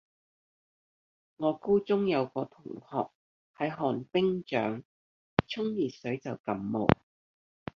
我高中有個同學係寒冰掌，沖熱水就感冒